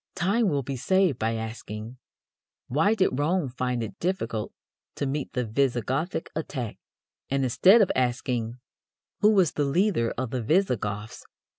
time will be saved by asking: "Why did Rome find it difficult to meet the Visigothic attack," and, instead of asking "Who was the leader of the Visigoths?"